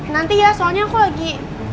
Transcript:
nanti ya soalnya aku lagi